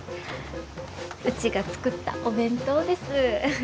うちが作ったお弁当です。